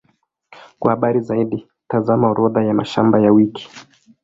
Kwa habari zaidi, tazama Orodha ya mashamba ya wiki.